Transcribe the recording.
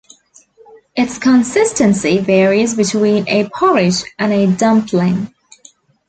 Its consistency varies between a porridge and a dumpling.